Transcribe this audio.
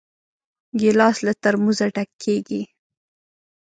ګیلاس له ترموزه ډک کېږي.